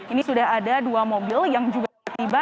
ini sudah ada dua mobil yang juga tiba